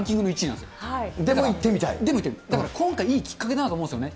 だから今回、いいきっかけだと思うんですよね。